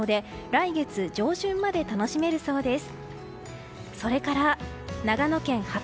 来月、上旬まで楽しめるそうです。